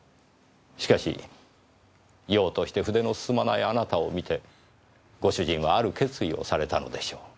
しかしようとして筆の進まないあなたを見てご主人はある決意をされたのでしょう。